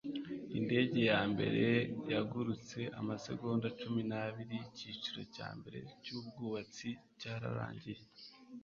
indege ya mbere yagurutse amasegonda cumi n'abiri icyiciro cya mbere cyubwubatsi cyararangiye